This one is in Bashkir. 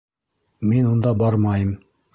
Мин унда бармайым!